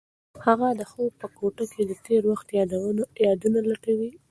هغه د خوب په کوټه کې د تېر وخت یادونه لټوي.